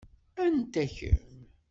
Anta-kem?